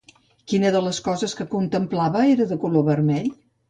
Quina de les coses que contemplava era de color vermell?